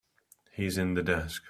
He's in the desk.